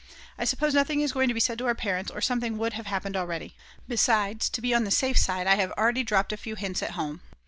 I suppose nothing is going to be said to our parents or something would have happened already. Besides, to be on the safe side, I have already dropped a few hints at home.